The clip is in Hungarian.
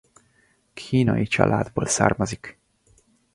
Kínai családból származik.